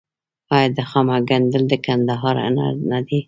آیا د خامک ګنډل د کندهار هنر نه دی؟